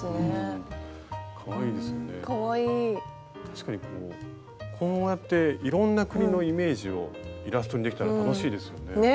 確かにこうこうやっていろんな国のイメージをイラストにできたら楽しいですよね。ね！